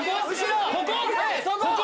ここ？